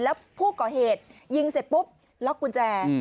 แล้วผู้ก่อเหตุยิงเสร็จปุ๊บล็อกกุญแจ